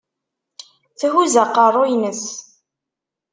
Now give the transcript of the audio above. Thuzz aqerru-ines.